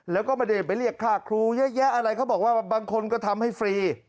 แล้วก็ไม่ได้ไปเรียกค่าครูเยอะแยะอะไรเขาบอกว่าบางคนก็ทำให้ฟรี